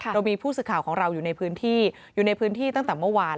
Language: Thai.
เรามีผู้สื่อข่าวของเราอยู่ในพื้นที่อยู่ในพื้นที่ตั้งแต่เมื่อวาน